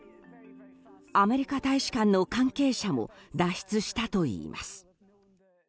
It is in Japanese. アメリカ大使館の関係者も脱出したといいます。